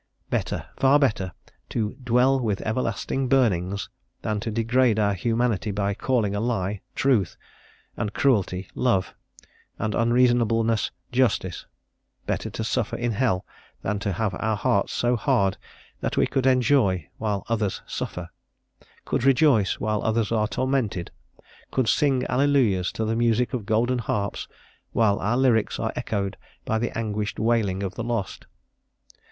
Better, far better, to "dwell with everlasting burnings" than to degrade our humanity by calling a lie, truth, and cruelty, love, and unreasonableness, justice; better to suffer in hell, than to have our hearts so hard that we could enjoy while others suffer; could rejoice while others are tormented, could sing alleluias to the music of golden harps, while our lyrics are echoed by the anguished wailing of the lost.